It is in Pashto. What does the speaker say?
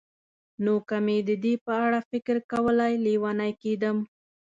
نو که مې د دې په اړه فکر کولای، لېونی کېدم.